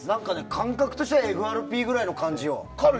感覚としてはＦＲＰぐらいの感じよ。